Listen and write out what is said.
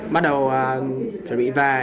bắt đầu chuẩn bị về